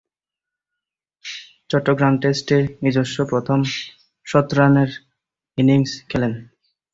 চট্টগ্রাম টেস্টে নিজস্ব প্রথম শতরানের ইনিংস খেলেন।